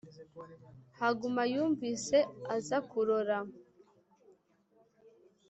Haguma yumvise aza kurora;